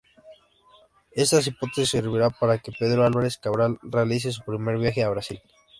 Esta hipótesis servirá para que Pedro Álvares Cabral realice su primer viaje a Brasil.